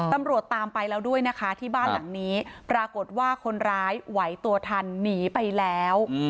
ตามไปแล้วด้วยนะคะที่บ้านหลังนี้ปรากฏว่าคนร้ายไหวตัวทันหนีไปแล้ว